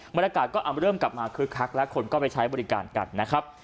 บรรยากาศก็เริ่มกลับมาคึกคักและคนก็ไปใช้บริการกันนะครับ